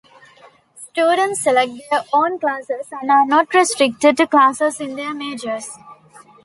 Students select their own classes and are not restricted to classes in their majors.